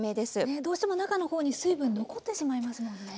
ねえどうしても中の方に水分残ってしまいますものね。